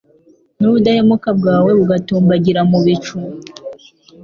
n’ubudahemuka bwawe bugatumbagira mu bicu